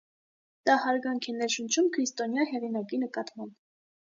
Դա հարգանք է ներշնչում քրիստոնյա հեղինակի նկատմամբ։